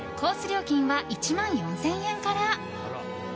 料金は１万４０００円から。